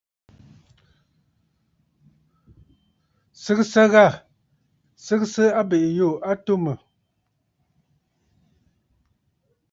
Sɨgɨsə ghâ! Sɨgɨgɨsə abèʼè yû a atu mə̀.